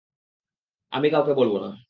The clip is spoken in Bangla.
আমি কাউকে বলব না।